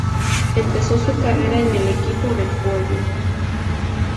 Empezó su carrera en el equipo del pueblo.